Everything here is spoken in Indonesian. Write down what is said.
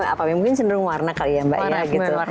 apa yang mungkin cenderung warna kali ya mbak ya gitu